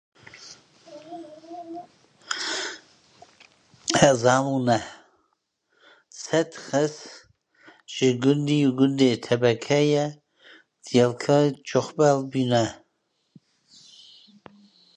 Hezar û neh sed kes ji gundê gundê Tepkê yê Dêrikê koçber bûne.